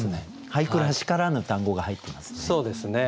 俳句らしからぬ単語が入ってますね。